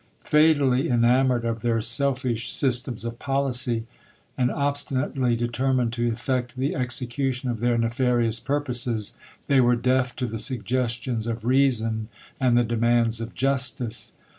Fatally enamoured of their selfish systems of policy, and obsti nately determined to eflfect the execution of their ne farious purposes, they were deaf to the suggestions of reason and the demands of justice.